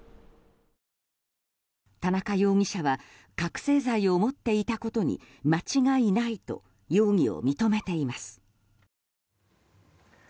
田中容疑者は覚醒剤を持っていたことに間違いないと容疑を認めています。